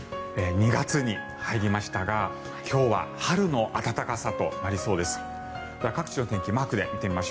２月に入りましたが、今日は春の暖かさとなりそうです。